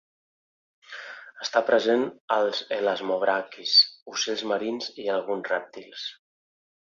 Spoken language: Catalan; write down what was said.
Està present als elasmobranquis, ocells marins, i alguns rèptils.